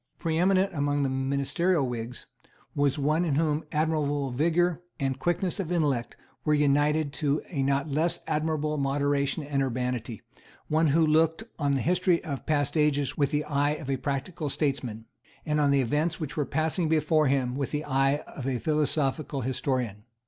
Preeminent among the ministerial Whigs was one in whom admirable vigour and quickness of intellect were united to a not less admirable moderation and urbanity, one who looked on the history of past ages with the eye of a practical statesman, and on the events which were passing before him with the eye of a philosophical historian.